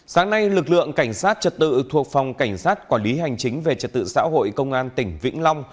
sáng nay lực lượng cảnh sát trật tự thuộc phòng cảnh sát quản lý hành chính về trật tự xã hội công an tỉnh vĩnh long